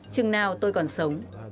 chừng nào tôi còn sợ